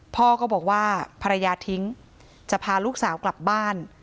พ่อก็บอกว่าภรรยาทิ้งจะพาลูกสาวกลับบ้าน